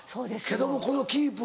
けどもこのキープ。